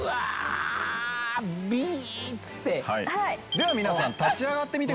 では皆さん立ち上がってみてください。